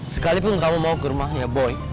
sekalipun kamu mau ke rumahnya boy